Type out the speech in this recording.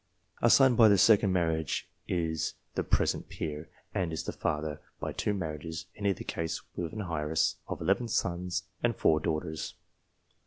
A son by the second marriage is the present peer, and is the father, by two marriages in neither case with an heiress of eleven sons and four daughters.